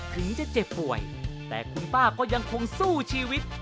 ถึงจะเจ็บป่วยแต่คุณป้าก็ยังคงสู้ชีวิต